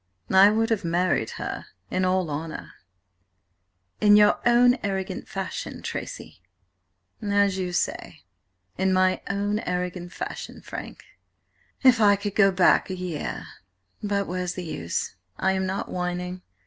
"I would have married her in all honour—" "In your own arrogant fashion, Tracy." "As you say–in my own arrogant fashion, Frank. If I could go back a year–but where's the use? I am not whining.